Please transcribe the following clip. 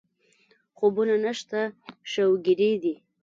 خوبونه نشته شوګېري دي